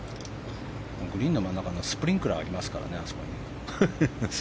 グリーンの真ん中にスプリンクラーがありますからね。